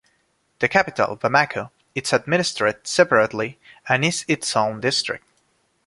The capital Bamako is administered separately and is in its own district.